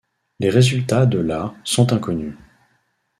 Les résultats de la sont inconnus.